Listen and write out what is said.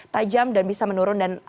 tajam dan bisa menurun dan